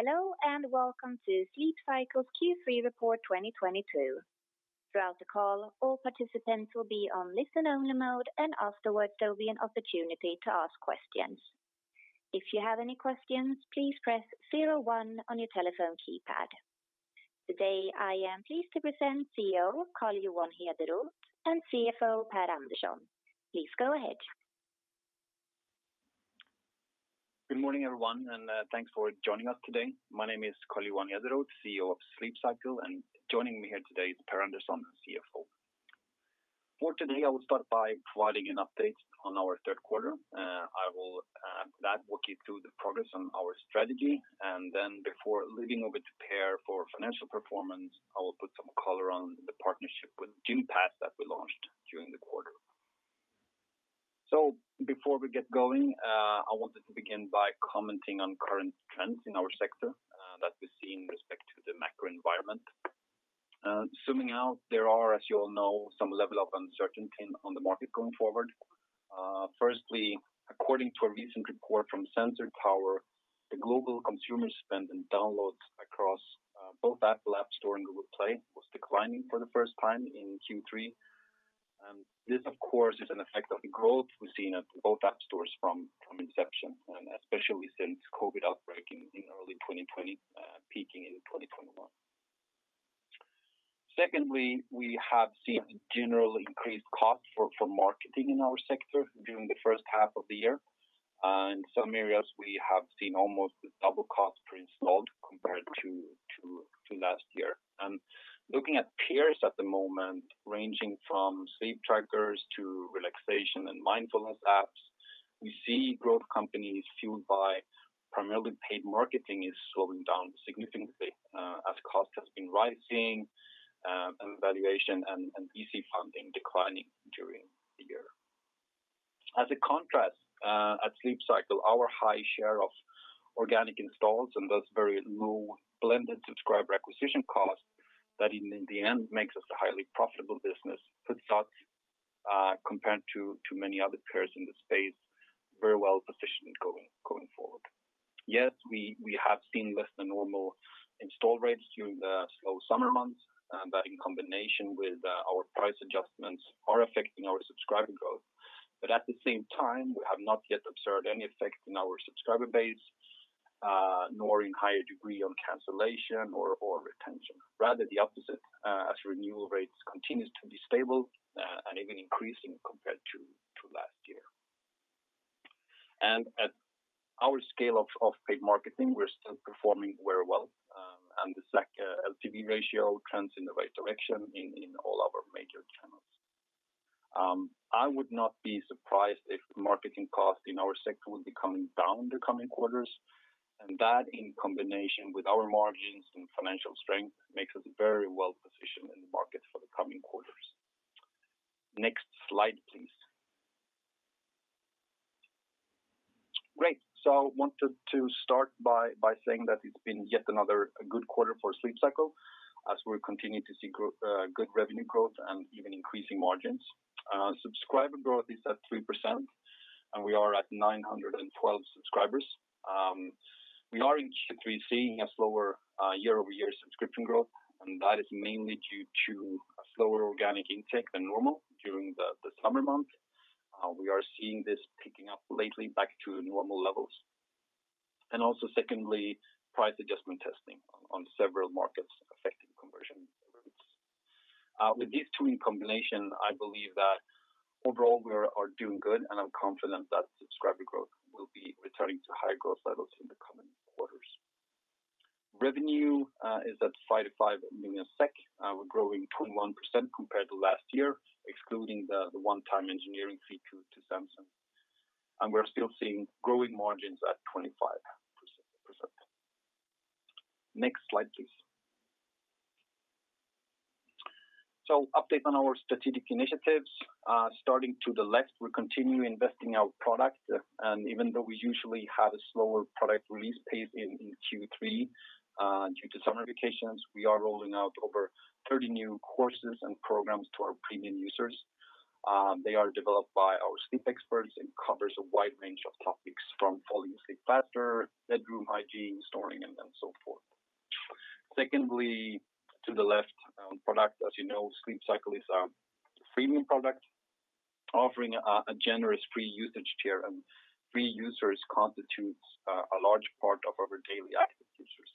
Hello, and welcome to Sleep Cycle's Q3 report 2022. Throughout the call, all participants will be on listen-only mode, and afterwards, there'll be an opportunity to ask questions. If you have any questions, please press zero one on your telephone keypad. Today, I am pleased to present CEO Carl Johan Hederoth and CFO Per Andersson. Please go ahead. Good morning, everyone, and thanks for joining us today. My name is Carl Johan Hederoth, CEO of Sleep Cycle, and joining me here today is Per Andersson, CFO. For today, I will start by providing an update on our third quarter. I will then walk you through the progress on our strategy. Before handing over to Per for financial performance, I will put some color on the partnership with Gympass that we launched during the quarter. Before we get going, I wanted to begin by commenting on current trends in our sector that we see in respect to the macro environment. Zooming out, there are, as you all know, some level of uncertainty on the market going forward. Firstly, according to a recent report from Sensor Tower, the global consumer spend and downloads across both Apple App Store and Google Play was declining for the first time in Q3. This, of course, is an effect of the growth we've seen at both app stores from inception, and especially since COVID outbreak in early 2020, peaking in 2021. Secondly, we have seen general increased costs for marketing in our sector during the first half of the year. In some areas we have seen almost double cost per install compared to last year. Looking at peers at the moment, ranging from sleep trackers to relaxation and mindfulness apps, we see growth companies fueled by primarily paid marketing is slowing down significantly, as cost has been rising, and valuation and easy funding declining during the year. As a contrast, at Sleep Cycle, our high share of organic installs and thus very low blended subscriber acquisition costs that in the end makes us a highly profitable business, puts us, compared to many other peers in the space, very well-positioned going forward. Yes, we have seen less than normal install rates during the slow summer months, that in combination with our price adjustments are affecting our subscriber growth. But at the same time, we have not yet observed any effect in our subscriber base, nor in higher degree on cancellation or retention. Rather the opposite, as renewal rates continues to be stable, and even increasing compared to last year. At our scale of paid marketing, we're still performing very well, and the LTV/CAC ratio trends in the right direction in all our major channels. I would not be surprised if marketing costs in our sector will be coming down the coming quarters, and that in combination with our margins and financial strength, makes us very well-positioned in the market for the coming quarters. Next slide, please. Great. I wanted to start by saying that it's been yet another good quarter for Sleep Cycle, as we continue to see good revenue growth and even increasing margins. Subscriber growth is at 3%, and we are at 912 subscribers. We are in Q3 seeing a slower year-over-year subscription growth, and that is mainly due to a slower organic intake than normal during the summer months. We are seeing this picking up lately back to normal levels. Also secondly, price adjustment testing on several markets affecting conversion rates. With these two in combination, I believe that overall we are doing good, and I'm confident that subscriber growth will be returning to higher growth levels in the coming quarters. Revenue is at 55 million SEK, we're growing 21% compared to last year, excluding the one-time engineering fee to Samsung. We're still seeing growing margins at 25%. Next slide, please. Update on our strategic initiatives. Starting to the left, we continue investing our product. Even though we usually have a slower product release pace in Q3 due to summer vacations, we are rolling out over 30 new courses and programs to our premium users. They are developed by our sleep experts and covers a wide range of topics from falling asleep faster, bedroom hygiene, snoring, and then so forth. Secondly, to the left on product, as you know, Sleep Cycle is a freemium product offering a generous free usage tier, and free users constitutes a large part of our daily active users.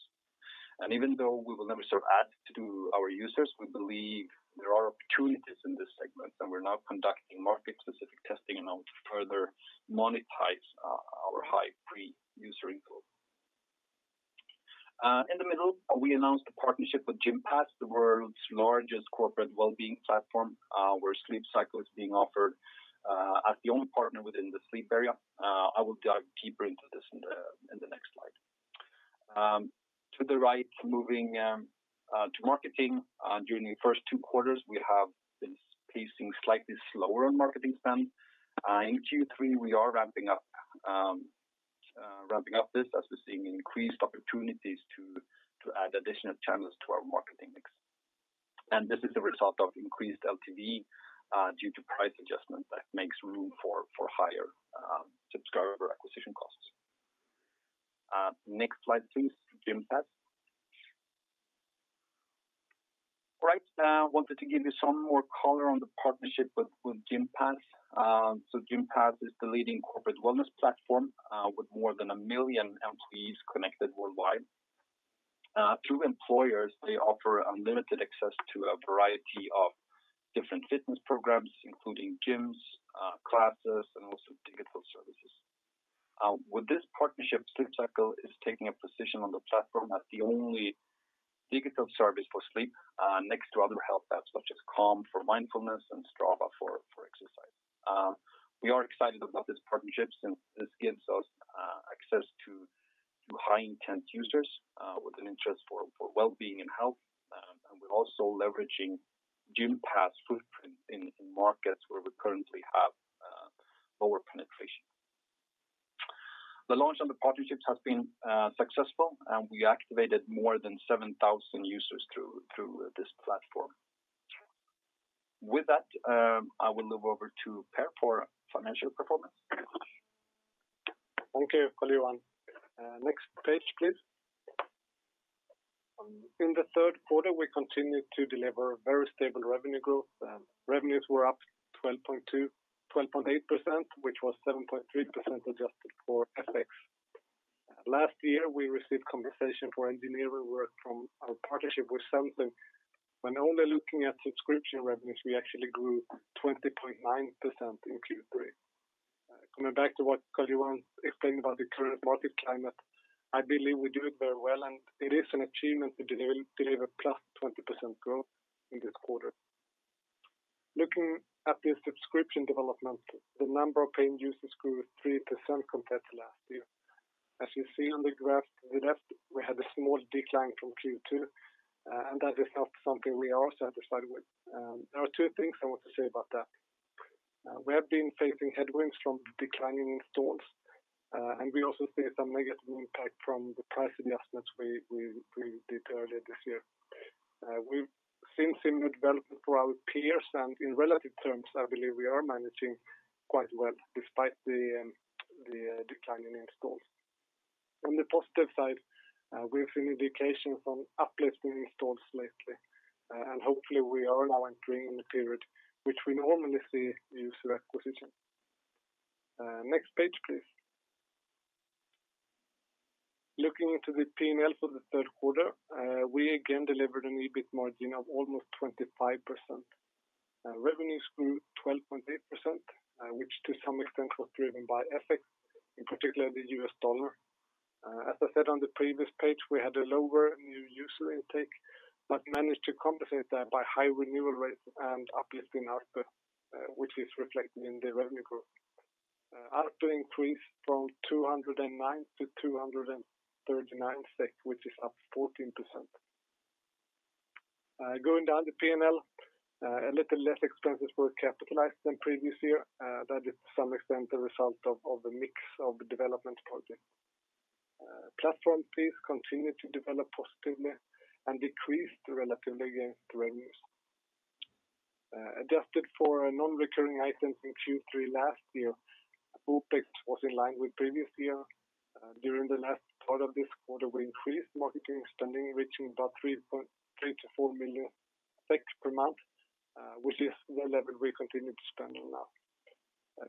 Even though we will never serve ads to our users, we believe there are opportunities in this segment, and we're now conducting market-specific testing in order to further monetize our high free user inflow. In the middle, we announced a partnership with Gympass, the world's largest corporate well-being platform, where Sleep Cycle is being offered as the only partner within the sleep area. I will dive deeper into this in the next slide. To the right, moving to marketing. During the first two quarters, we have been pacing slightly slower on marketing spend. In Q3, we are ramping up this as we're seeing increased opportunities to add additional channels to our marketing mix. This is the result of increased LTV due to price adjustments that makes room for higher subscriber acquisition costs. Next slide, please. Gympass. Right. Wanted to give you some more color on the partnership with Gympass. Gympass is the leading corporate wellness platform with more than 1 million employees connected worldwide. Through employers, they offer unlimited access to a variety of different fitness programs, including gyms, classes, and also digital services. With this partnership, Sleep Cycle is taking a position on the platform as the only digital service for sleep next to other health apps such as Calm for mindfulness and Strava for exercise. We are excited about this partnership since this gives us access to high intent users with an interest for wellbeing and health. We're also leveraging Gympass footprint in markets where we currently have lower penetration. The launch on the partnerships has been successful, and we activated more than 7,000 users through this platform. With that, I will move over to Per for financial performance. Thank you, Carl Johan. Next page, please. In the third quarter, we continued to deliver very stable revenue growth. Revenues were up 12.8%, which was 7.3% adjusted for FX. Last year, we received compensation for engineering work from our partnership with Samsung. When only looking at subscription revenues, we actually grew 20.9% in Q3. Coming back to what Carl Johan explained about the current market climate, I believe we do it very well, and it is an achievement to deliver +20% growth in this quarter. Looking at the subscription development, the number of paying users grew 3% compared to last year. As you see on the graph on the left, we had a small decline from Q2, and that is not something we are satisfied with. There are two things I want to say about that. We have been facing headwinds from declining installs, and we also see some negative impact from the price adjustments we did earlier this year. We've seen similar development for our peers, and in relative terms, I believe we are managing quite well despite the declining installs. On the positive side, we've seen indications on Apple Watch being installed lately, and hopefully we are now entering the period which we normally see user acquisition. Next page, please. Looking into the P&L for the third quarter, we again delivered an EBIT margin of almost 25%. Revenues grew 12.8%, which to some extent was driven by FX, in particular the US dollar. As I said on the previous page, we had a lower new user intake, but managed to compensate that by high renewal rates and uplifting ARPU, which is reflected in the revenue growth. ARPU increased from 209 to 239 SEK, which is up 14%. Going down the P&L, a little less expenses were capitalized than previous year. That is to some extent the result of the mix of the development project. Platform fees continued to develop positively and decreased relatively against revenues. Adjusted for non-recurring items in Q3 last year, OPEX was in line with previous year. During the last part of this quarter, we increased marketing spending, reaching about 3 million-4 million per month, which is the level we continue to spend on now.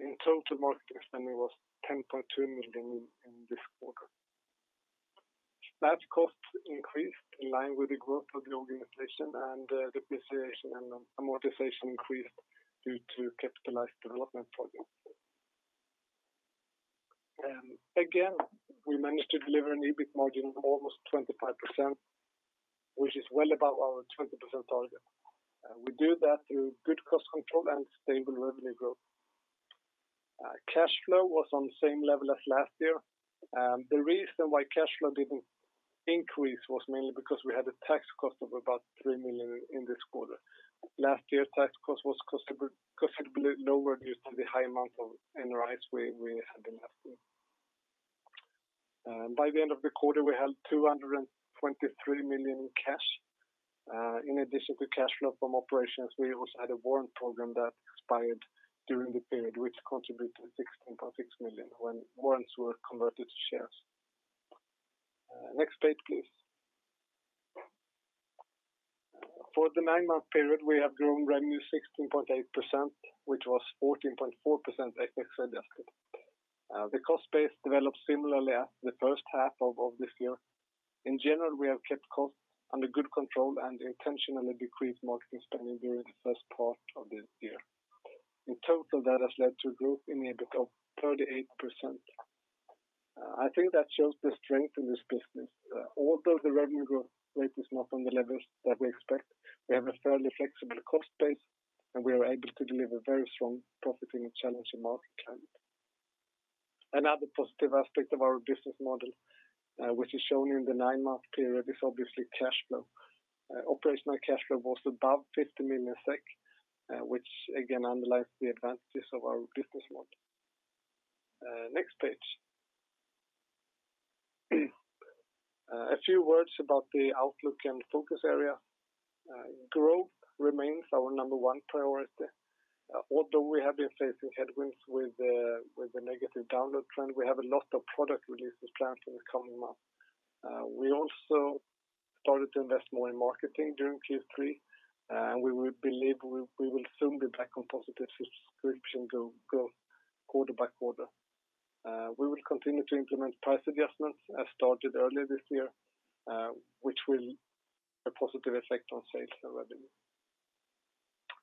In total, marketing spending was 10.2 million in this quarter. Staff costs increased in line with the growth of the organization, and depreciation and amortization increased due to capitalized development projects. Again, we managed to deliver an EBIT margin of almost 25%, which is well above our 20% target. We do that through good cost control and stable revenue growth. Cash flow was on the same level as last year. The reason why cash flow didn't increase was mainly because we had a tax cost of about 3 million in this quarter. Last year, tax cost was considerably lower due to the high amount of NRIs we had in that year. By the end of the quarter, we had 223 million cash. In addition to cash flow from operations, we also had a warrant program that expired during the period, which contributed 16.6 million when warrants were converted to shares. Next page, please. For the nine-month period, we have grown revenue 16.8%, which was 14.4% FX adjusted. The cost base developed similarly as the first half of this year. In general, we have kept costs under good control and intentionally decreased marketing spending during the first part of this year. In total, that has led to growth in EBIT of 38%. I think that shows the strength in this business. Although the revenue growth rate is not on the levels that we expect, we have a fairly flexible cost base, and we are able to deliver very strong profitability in challenging market climate. Another positive aspect of our business model, which is shown in the nine-month period, is obviously cash flow. Operational cash flow was above 50 million SEK, which again underlines the advantages of our business model. Next page. A few words about the outlook and focus area. Growth remains our number one priority. Although we have been facing headwinds with the negative download trend, we have a lot of product releases planned in the coming months. We also started to invest more in marketing during Q3, and we believe we will soon be back on positive subscription growth quarter by quarter. We will continue to implement price adjustments as started earlier this year, which will have positive effect on sales and revenue.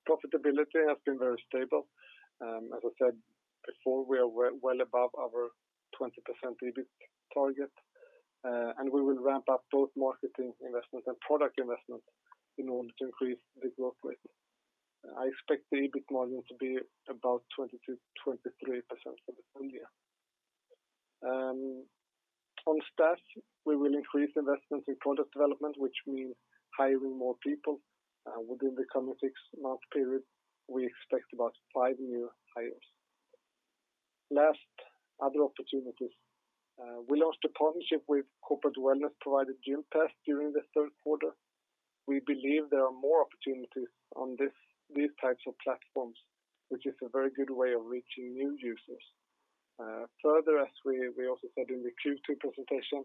Profitability has been very stable. As I said before, we are well above our 20% EBIT target. We will ramp up both marketing investments and product investments in order to increase the growth rate. I expect the EBIT margin to be about 22%-23% for the full year. On staff, we will increase investments in product development, which means hiring more people. Within the coming 6-month period, we expect about 5 new hires. Last, other opportunities. We launched a partnership with corporate wellness provider Gympass during the third quarter. We believe there are more opportunities on these types of platforms, which is a very good way of reaching new users. Further, as we also said in the Q2 presentation,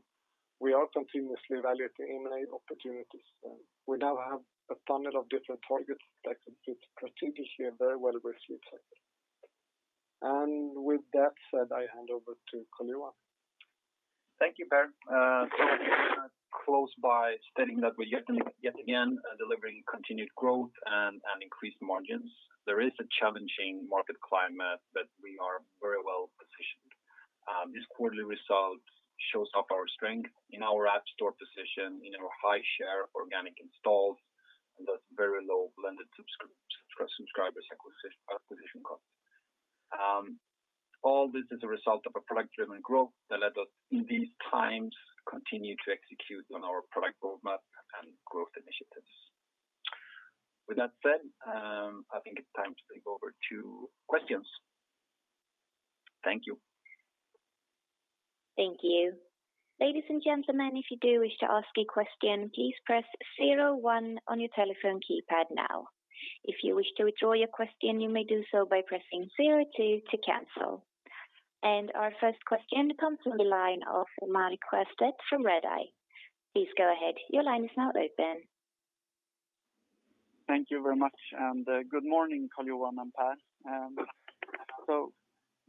we are continuously evaluating M&A opportunities. We now have a ton of different targets that could fit strategically and very well with Sleep Cycle. With that said, I hand over to Carl Johan. Thank you, Per. Close by stating that we're yet again delivering continued growth and increased margins. There is a challenging market climate that we are very well positioned. This quarterly result shows off our strength in our App Store position, in our high share of organic installs, and the very low blended subscriber acquisition costs. All this is a result of a product-driven growth that let us, in these times, continue to execute on our product roadmap and growth initiatives. With that said, I think it's time to take over to questions. Thank you. Thank you. Ladies and gentlemen, if you do wish to ask a question, please press zero one on your telephone keypad now. If you wish to withdraw your question, you may do so by pressing zero two to cancel. Our first question comes from the line of [inaudible] from Redeye. Please go ahead. Your line is now open. Thank you very much. Good morning, Carl Johan and Per.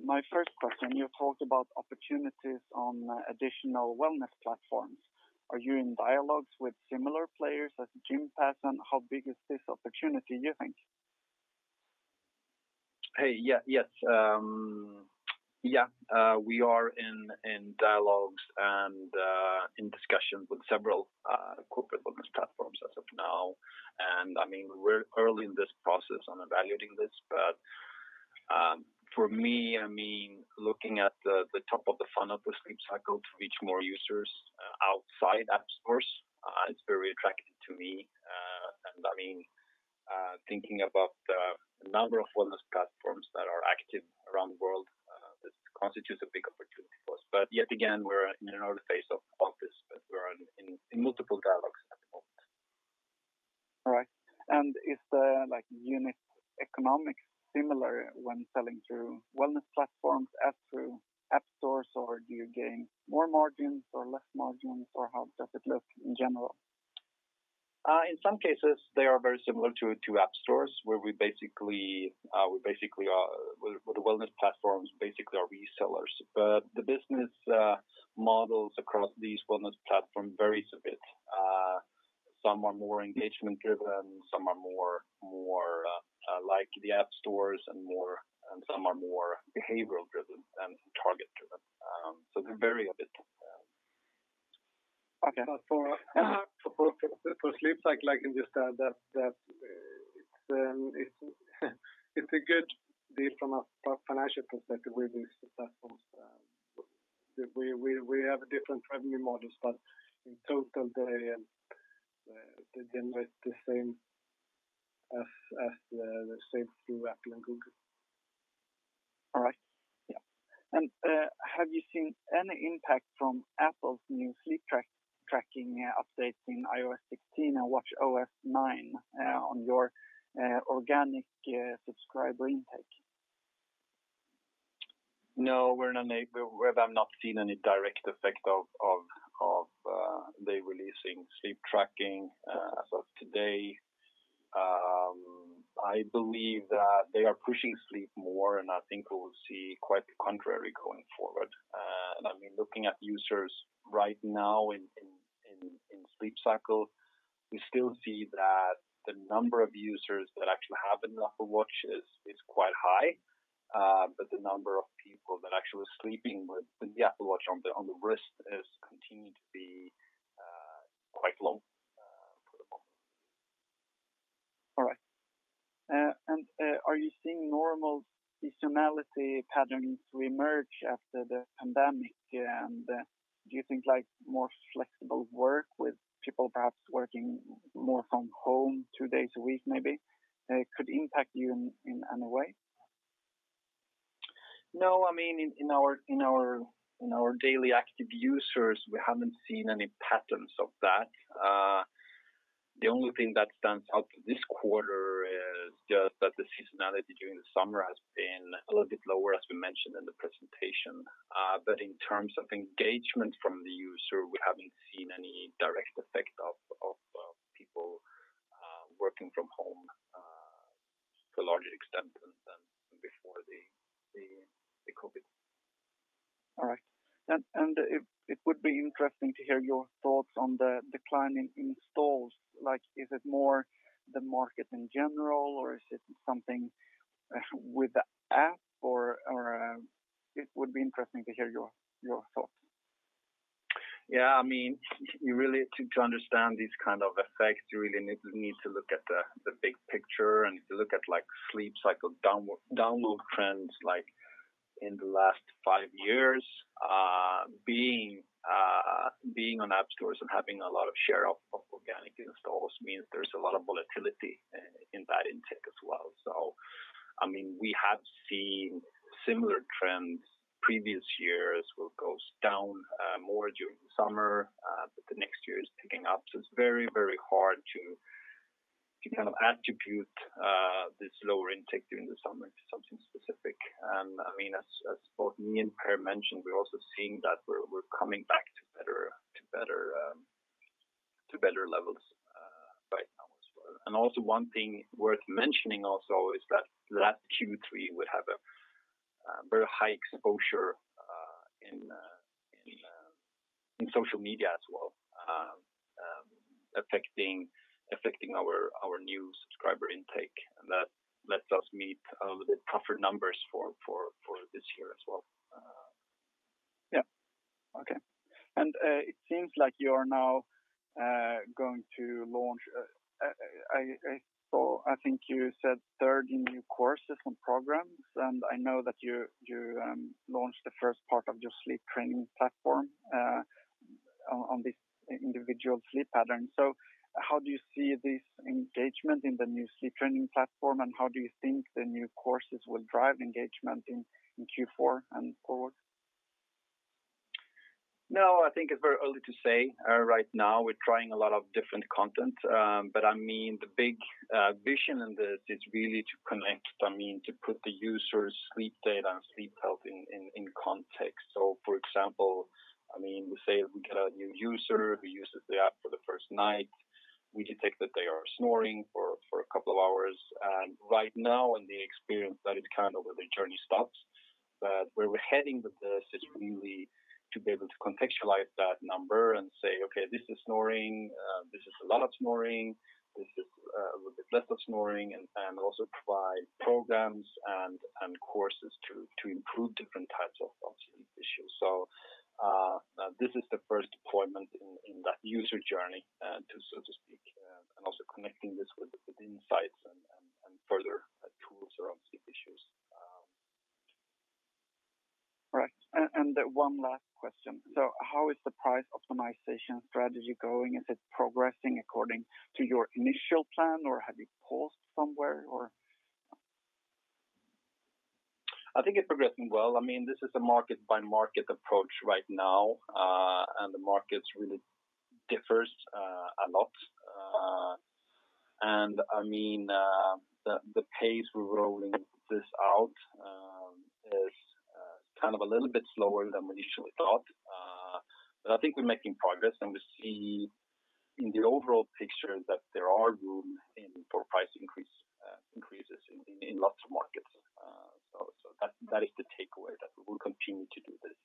My first question, you talked about opportunities on additional wellness platforms. Are you in dialogues with similar players as Gympass, and how big is this opportunity you think? We are in dialogues and in discussions with several corporate wellness platforms as of now. I mean, we're early in this process on evaluating this. For me, I mean, looking at the top of the funnel for Sleep Cycle to reach more users outside app stores, it's very attractive to me. I mean, thinking about the number of wellness platforms that are active around the world, this constitutes a big opportunity for us. Yet again, we're in an early phase of this, but we're in multiple dialogues at the moment. All right. Is the, like, unit economics similar when selling through wellness platforms as through app stores, or do you gain more margins or less margins, or how does it look in general? In some cases, they are very similar to app stores, where the wellness platforms basically are resellers. The business models across these wellness platforms vary a bit. Some are more engagement driven, some are more like the app stores, and some are more behavioral driven and target driven. They vary a bit. Okay. For Sleep Cycle, I can just add that it's a good deal from a financial perspective with these platforms. We have different revenue models, but in total they generate the same as the sales through Apple and Google. All right. Yeah. Have you seen any impact from Apple's new sleep tracking updates in iOS 16 and watchOS 9 on your organic subscriber intake? No, we have not seen any direct effect of they releasing sleep tracking as of today. I believe that they are pushing sleep more, and I think we will see quite the contrary going forward. I mean, looking at users right now in Sleep Cycle, we still see that the number of users that actually have an Apple Watch is quite high. The number of people that actually sleeping with the Apple Watch on the wrist is continuing to be quite low for the moment. All right. Are you seeing normal seasonality patterns re-emerge after the pandemic? Do you think, like, more flexible work with people perhaps working more from home two days a week maybe, could impact you in any way? No, I mean, in our daily active users, we haven't seen any patterns of that. The only thing that stands out this quarter is just that the seasonality during the summer has been a little bit lower, as we mentioned in the presentation. In terms of engagement from the user, we haven't seen any direct effect of people working from home to a larger extent than before the COVID. All right. It would be interesting to hear your thoughts on the decline in installs. Like, is it more the market in general, or is it something with the app? It would be interesting to hear your thoughts. Yeah, I mean, you really need to understand these kind of effects. You really need to look at the big picture and to look at like Sleep Cycle download trends like in the last five years. Being on app stores and having a lot of share of organic installs means there's a lot of volatility in that intake as well. So I mean, we have seen similar trends previous years where it goes down more during the summer, but the next year is picking up. So it's very, very hard to kind of attribute this lower intake during the summer to something specific. I mean, as both me and Per mentioned, we're also seeing that we're coming back to better levels right now as well. Also one thing worth mentioning also is that Q3 would have a very high exposure in social media as well, affecting our new subscriber intake. That lets us meet the tougher numbers for this year as well. Yeah. Okay. It seems like you are now going to launch. I think you said 30 new courses and programs, and I know that you launched the first part of your sleep training platform on this individual sleep pattern. How do you see this engagement in the new sleep training platform, and how do you think the new courses will drive engagement in Q4 and forward? No, I think it's very early to say. Right now we're trying a lot of different content. I mean, the big vision in this is really to connect. I mean, to put the user's sleep data and sleep health in context. For example, I mean, we say if we get a new user who uses the app for the first night, we detect that they are snoring for a couple of hours. Right now in the experience that is kind of where the journey stops. Where we're heading with this is really to be able to contextualize that number and say, "Okay, this is snoring. This is a lot of snoring. This is a little bit less of snoring." And also provide programs and courses to improve different types of sleep issues. This is the first deployment in that user journey, so to speak, and also connecting this with insights and further tools around sleep issues. Right. One last question. How is the price optimization strategy going? Is it progressing according to your initial plan, or have you paused somewhere, or? I think it's progressing well. I mean, this is a market-by-market approach right now. The markets really differ a lot. I mean, the pace we're rolling this out is kind of a little bit slower than we initially thought. I think we're making progress, and we see in the overall picture that there are room for price increases in lots of markets. That is the takeaway, that we will continue to do this,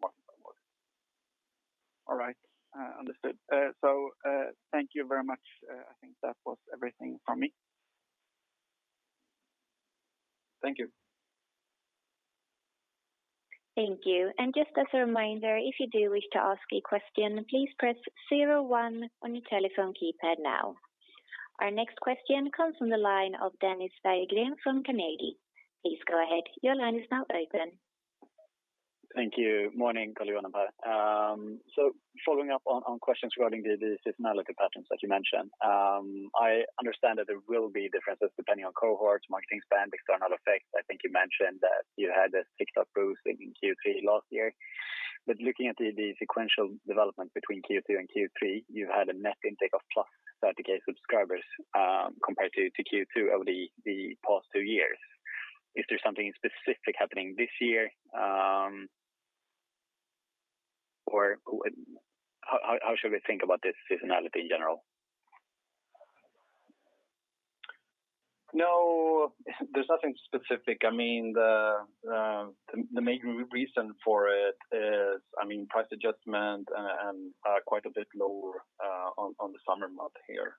market by market. All right. Understood. Thank you very much. I think that was everything from me. Thank you. Thank you. Just as a reminder, if you do wish to ask a question, please press zero one on your telephone keypad now. Our next question comes from the line of Dennis Berggren from Carnegie. Please go ahead. Your line is now open. Thank you. Morning all of you. So following up on questions regarding the seasonality patterns that you mentioned, I understand that there will be differences depending on cohorts, marketing spend, external effects. I think you mentioned that you had a TikTok boost in Q3 last year. Looking at the sequential development between Q2 and Q3, you had a net intake of +30K subscribers, compared to Q2 over the past two years. Is there something specific happening this year? Or how should we think about this seasonality in general? No, there's nothing specific. I mean, the main reason for it is, I mean, price adjustment and quite a bit lower on the summer month here.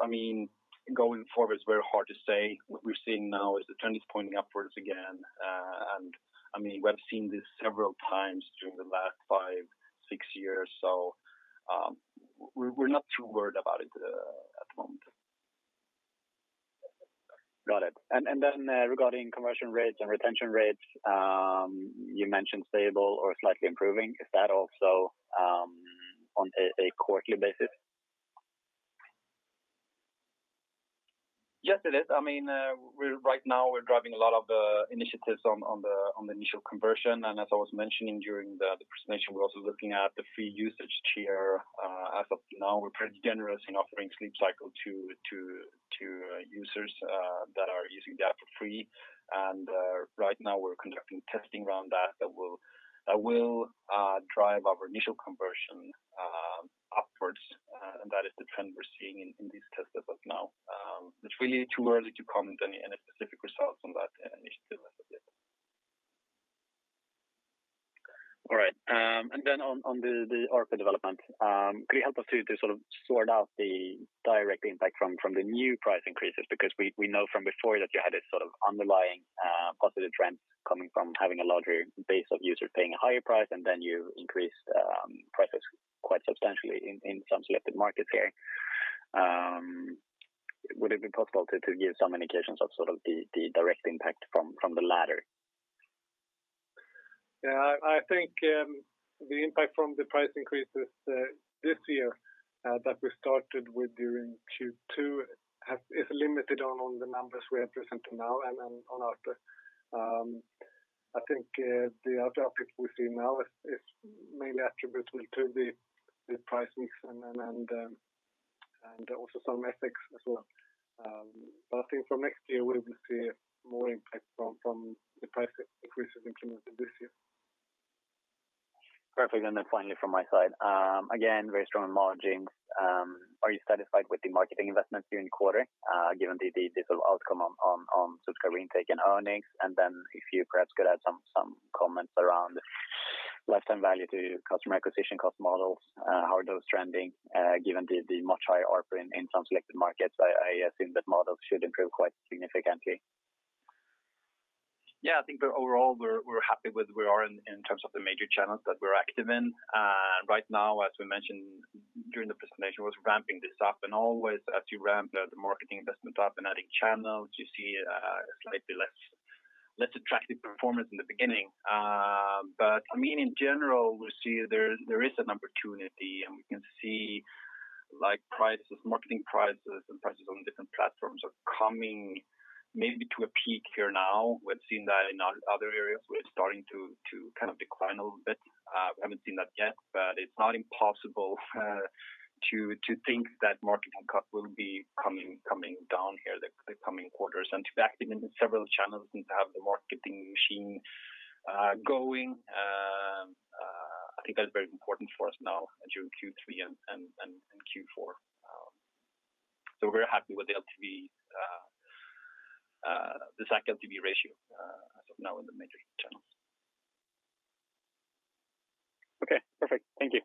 I mean, going forward, it's very hard to say. What we're seeing now is the trend is pointing upwards again. I mean, we have seen this several times during the last five, six years. We're not too worried about it at the moment. Got it. Regarding conversion rates and retention rates, you mentioned stable or slightly improving. Is that also on a quarterly basis? Yes, it is. I mean, right now we're driving a lot of initiatives on the initial conversion. As I was mentioning during the presentation, we're also looking at the free usage tier. As of now, we're pretty generous in offering Sleep Cycle to users that are using the app for free. Right now we're conducting testing around that that will drive our initial conversion upwards. That is the trend we're seeing in these tests as of now. It's really too early to comment any specific results on that initiative as of yet. All right. On the ARPA development, could you help us to sort out the direct impact from the new price increases? Because we know from before that you had a sort of underlying positive trend coming from having a larger base of users paying a higher price, and then you increased prices quite substantially in some selected markets here. Would it be possible to give some indications of the direct impact from the latter? Yeah. I think the impact from the price increases this year that we started with during Q2 is limited on the numbers we have presented now and then on ARPA. I think the ARPA uplift we see now is mainly attributable to the price mix and also some FX as well. I think from next year we will see more impact from the price increases implemented this year. Perfect. Then finally from my side, again, very strong margins. Are you satisfied with the marketing investment during the quarter, given this whole outcome on subscriber intake and earnings? Then if you perhaps could add some comments around lifetime value to customer acquisition cost models, how are those trending, given the much higher ARPA in some selected markets, I assume that model should improve quite significantly. Yeah. I think we're overall happy with where we are in terms of the major channels that we're active in. Right now, as we mentioned during the presentation, we're ramping this up. Always as you ramp the marketing investment up and adding channels, you see a slightly less attractive performance in the beginning. But I mean, in general, we see there is an opportunity and we can see like prices, marketing prices and prices on different platforms are coming maybe to a peak here now. We've seen that in other areas where it's starting to kind of decline a little bit. We haven't seen that yet, but it's not impossible to think that marketing costs will be coming down in the coming quarters. To be active in several channels and to have the marketing machine going, I think that's very important for us now during Q3 and Q4. We're happy with the LTV/CAC ratio as of now in the major channels. Okay, perfect. Thank you.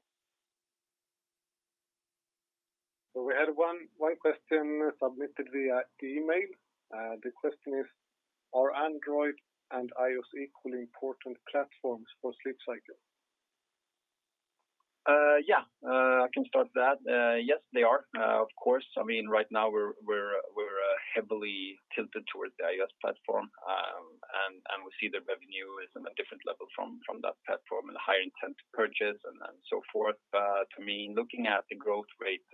We had one question submitted via email. The question is, are Android and iOS equally important platforms for Sleep Cycle? Yeah. I can start that. Yes, they are, of course. I mean, right now we're heavily tilted towards the iOS platform. We see their revenue is on a different level from that platform and a higher intent to purchase and so forth. To me, looking at the growth rate,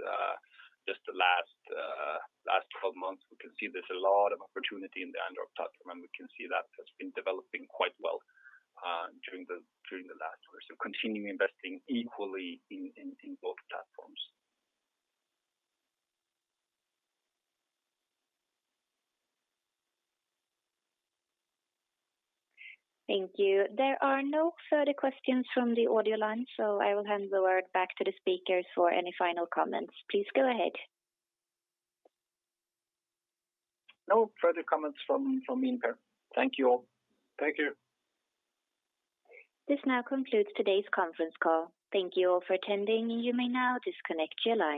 just the last 12 months, we can see there's a lot of opportunity in the Android platform, and we can see that has been developing quite well during the last year. Continuing investing equally in both platforms. Thank you. There are no further questions from the audio line, so I will hand the word back to the speakers for any final comments. Please go ahead. No further comments from me either. Thank you all. Thank you. This now concludes today's conference call. Thank you all for attending and you may now disconnect your line.